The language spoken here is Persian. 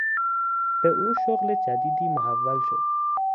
به او شغل جدیدی محول شد.